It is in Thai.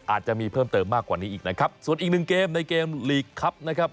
อาจจะมีเพิ่มเติมมากกว่านี้อีกนะครับส่วนอีกหนึ่งเกมในเกมลีกครับนะครับ